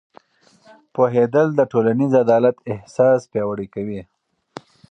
پوهېدل د ټولنیز عدالت احساس پیاوړی کوي.